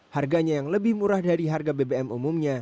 harganya yang lebih murah dari harga bbm umumnya